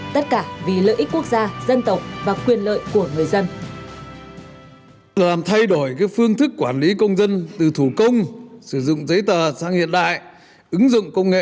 tất cả vì lợi ích quốc gia dân tộc và quyền lợi của người dân